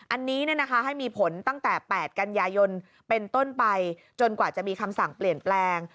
อันนี้ให้มีผลตั้งแต่๘กันยายนเป็นต้นไปจนกว่าจะมีคำสั่งเปลี่ยนแปลง